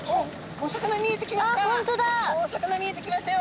お魚見えてきましたよ！